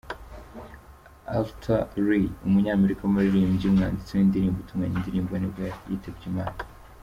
Arthur Lee, umunyamerika w’umuririmbyi, umwanditsi w’indirimbo, utunganya indirimbo nibwo yitabye Imana.